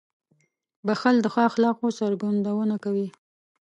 • بښل د ښو اخلاقو څرګندونه کوي.